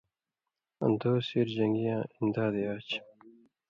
آں دُو سېر جن٘گی یاں اِمدادے آچھی۔